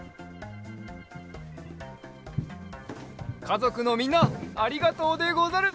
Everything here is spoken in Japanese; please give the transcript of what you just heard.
かぞくのみんなありがとうでござる。